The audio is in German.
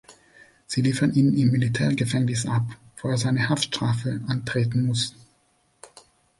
Sie liefern ihn im Militärgefängnis ab, wo er seine Haftstrafe antreten muss.